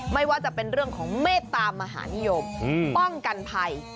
ไม่ว่าจะเป็นเรื่องของเมตตามหานิยมป้องกันภัย